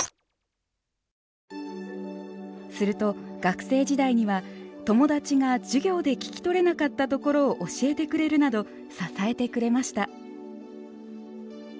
すると学生時代には友達が授業で聞き取れなかったところを教えてくれるなど支えてくれました。